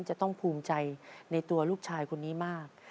จะต้องภูมิใจในตัวลูกชายคนนี้มาก